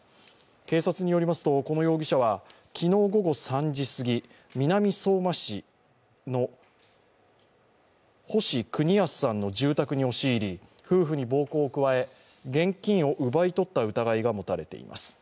警察によりますと、この容疑者は昨日午後３時過ぎ、南相馬市の星邦康さんの住宅に押し入り、夫婦に暴行を加え、現金を奪い取った疑いが持たれています。